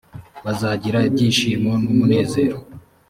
bazagira ibyishimo n umunezero